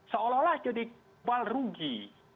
seolah olah jadi ibal rugi